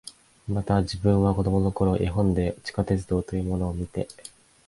また、自分は子供の頃、絵本で地下鉄道というものを見て、